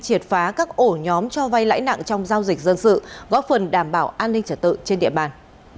triệt phá các ổ nhóm cho vay lãi nặng trong giao dịch dân sự góp phần đảm bảo an ninh trật tự trên địa bàn